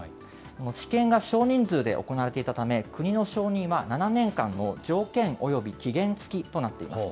治験が少人数で行われていたため、国の承認は７年間の条件および期限付きとなっています。